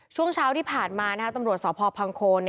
ช่วงเช้าที่ผ่านมาตำรวจสพพังโคน